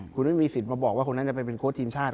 คุณไม่มีสิทธิ์มาบอกว่าคนนั้นจะไปเป็นโค้ชทีมชาติ